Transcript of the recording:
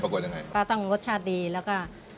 ปลาตั้งรสชาติดีแล้วก็